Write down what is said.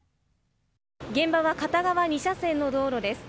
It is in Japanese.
現場は片側２車線の道路です。